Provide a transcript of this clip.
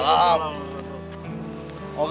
kalau dia sudah nggak resm